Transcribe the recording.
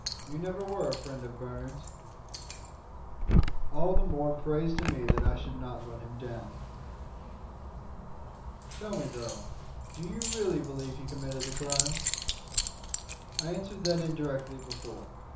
"You never were a friend of Bernard's." "All the more praise to me that I should not run him down." "Tell me, Beryl, do you really believe he committed the crime?" "I answered that indirectly before.